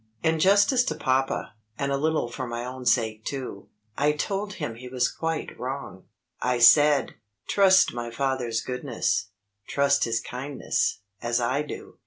In justice to papa (and a little for my own sake too) I told him he was quite wrong. I said: "Trust my father's goodness, trust his kindness, as I do."